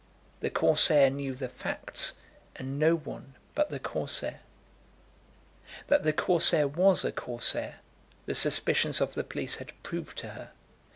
The Corsair knew the facts, and no one but the Corsair. That the Corsair was a Corsair, the suspicions of the police had proved to her.